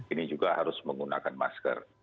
ini juga harus menggunakan masker